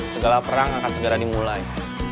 segala perang akan segera dimulai